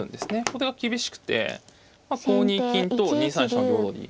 これが厳しくて５二金と２三飛車の両取り。